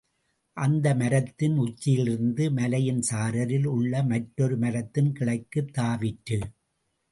அந்த மரத்தின் உச்சியிலிருந்து மலையின் சாரலில் உள்ள மற்றொரு மரத்தின் கிளைக்குத் தாவிற்று.